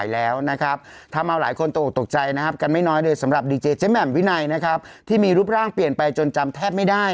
เราทำรูปในอนาคนได้จากนี้แหละแอปพลิเคชันช่วยได้